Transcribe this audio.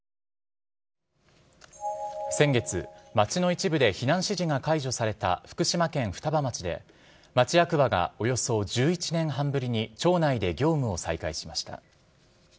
先月、町の一部で避難指示が解除された福島県双葉町で、町役場がおよそ１１年半ぶりに、町内で業務を再開しました。